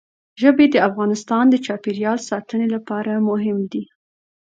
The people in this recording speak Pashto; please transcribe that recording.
ژبې د افغانستان د چاپیریال ساتنې لپاره مهم دي.